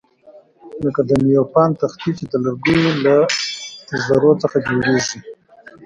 لکه د نیوپان تختې چې د لرګیو له ذرو څخه جوړیږي.